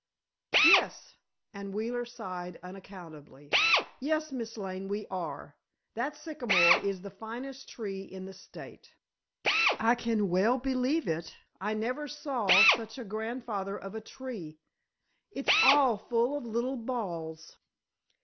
"Yes," and Wheeler sighed unaccountably. "Yes, Miss Lane, we are. That sycamore is the finest tree in the state." "I can well believe it. I never saw such a grandfather of a tree! It's all full of little balls."